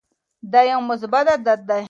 دا یو مثبت عادت دی.